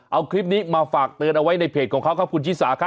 เอาคลิปนี้มาฝากเตือนเอาไว้ในเพจของเขาครับคุณชิสาครับ